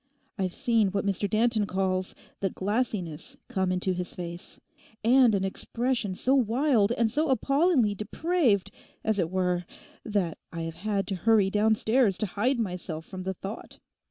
I've seen what Mr Danton calls the "glassiness" come into his face, and an expression so wild and so appallingly depraved, as it were, that I have had to hurry downstairs to hide myself from the thought.